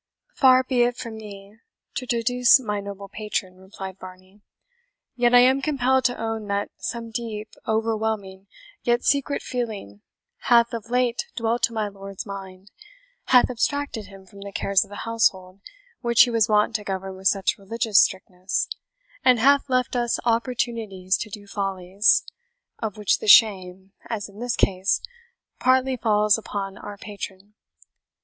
"Far be it from me to traduce my noble patron," replied Varney; "yet I am compelled to own that some deep, overwhelming, yet secret feeling hath of late dwelt in my lord's mind, hath abstracted him from the cares of the household which he was wont to govern with such religious strictness, and hath left us opportunities to do follies, of which the shame, as in this case, partly falls upon our patron.